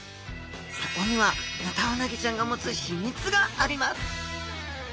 そこにはヌタウナギちゃんが持つ秘密があります！